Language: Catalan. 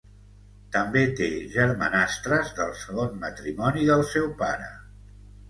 També té germanastres del segon matrimoni del seu pare.